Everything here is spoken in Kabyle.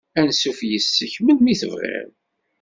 Ansuf yess-k melmi tebɣiḍ.